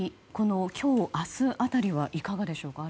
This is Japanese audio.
今日、明日辺りはいかがでしょうか？